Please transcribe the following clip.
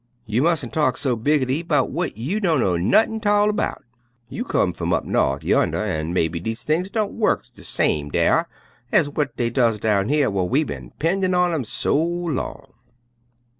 You mus'n' talk so biggitty 'bout w'at you dunno nuttin' 't all about. You come f'um up Norf yonner, an' mebbe dese things don' wu'k de same dar ez w'at dey does down yer whar we bin 'pendin' on 'em so long."